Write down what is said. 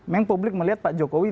memang publik melihat pak jokowi